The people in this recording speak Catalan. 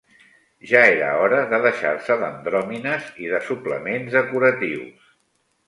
Ja era hora de deixar-se d'andròmines i de suplements decoratius